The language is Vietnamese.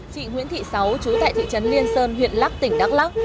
chị nguyễn thị sáu trú tại thị trấn liên sơn huyện lắk tỉnh đắk lắc